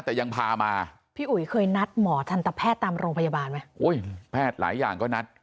แต่ยังพามาพี่อุ๋ยเคยนัดหมอทันตแพทย์ตามโรงพยาบาลไหมอุ้ยแพทย์หลายอย่างก็นัด